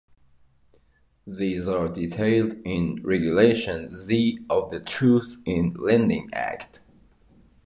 These are detailed in Regulation Z of the Truth in Lending Act.